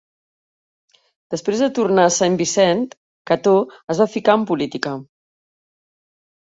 Després de tornar a Saint Vincent, Cato es va ficar en política.